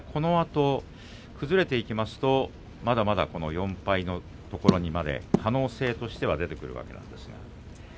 このあと崩れていきますとまだまだ４敗のところにも可能性が出てくるわけです。